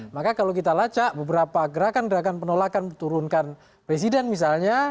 maka kalau kita lacak beberapa gerakan gerakan penolakan turunkan presiden misalnya